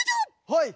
はい！